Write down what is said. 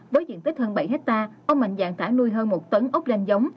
với diện tích hơn bảy hectare ông mạnh dạng thả nuôi hơn một tấn ốc ranh giống